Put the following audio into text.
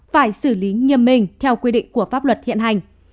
phải xử lý nghiêm minh theo quy định của pháp luật hiện hành